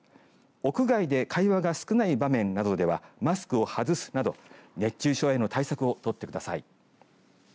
屋外で会話が少ない場面などではマスクを外すなど、熱中症への対策を取ってください。